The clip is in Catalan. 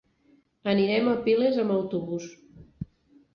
Anirem a Piles amb autobús.